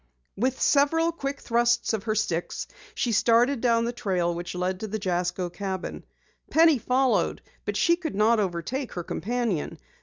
With several quick thrusts of her sticks, she started down the trail which led to the Jasko cabin. Penny followed, but she could not overtake her companion.